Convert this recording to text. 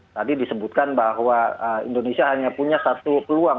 tadi disebutkan bahwa indonesia hanya punya satu peluang